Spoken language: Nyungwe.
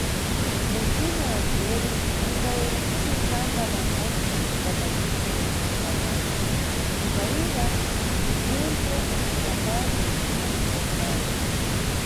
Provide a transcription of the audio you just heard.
Mumchini wa nzeru mungawerengedwe tsamba la nkhani la padziko lentse la pantsi kutawira mibvunzo kucita mbali pa mitsonkhano.